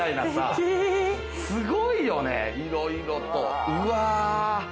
すごいよねいろいろとうわ！